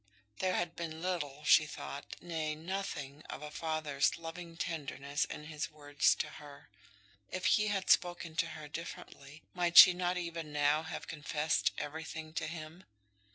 There had been little, she thought, nay, nothing of a father's loving tenderness in his words to her. If he had spoken to her differently, might she not even now have confessed everything to him?